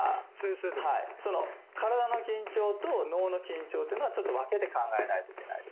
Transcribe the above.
体の緊張と脳の緊張というのはちょっと分けて考えないといけないです。